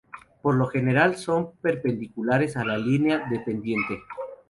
Por lo general, son perpendiculares a la línea de pendiente.